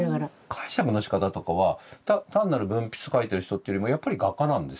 解釈のしかたとかは単なる文筆書いてる人っていうよりもやっぱり画家なんですよ。